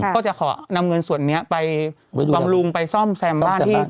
ก็จะขอนำเงินส่วนนี้ไปบำรุงไปซ่อมแซมบ้านที่